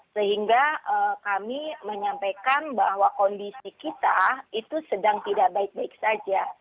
sehingga kami menyampaikan bahwa kondisi kita itu sedang tidak baik baik saja